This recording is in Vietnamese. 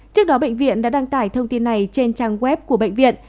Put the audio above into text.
trước đó bệnh viện đã đăng tải thông tin này trên trang web của bệnh viện